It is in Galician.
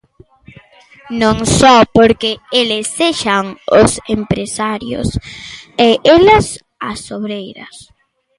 Non só porque eles sexan os empresarios e elas as obreiras.